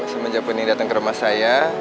semenjak bu nidatang ke rumah saya